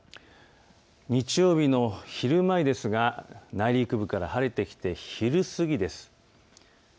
日曜日の昼前は内陸部から晴れてきて昼過ぎです。